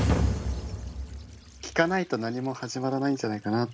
聞かないとなにも始まらないんじゃないかなって思って。